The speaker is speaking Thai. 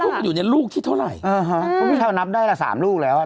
เลื่อนระวังอยู่เนี่ยลูกที่เท่าไหร่อะฮะเพราะบี้เทวย์นับได้ละ๓ลูกแล้วอ่ะ